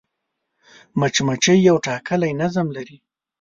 مچمچۍ یو ټاکلی نظم لري